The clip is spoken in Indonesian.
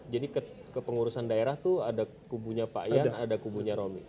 jadi ke pengurusan daerah itu ada kubunya pak yan ada kubunya romy